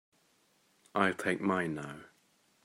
I'll take mine now.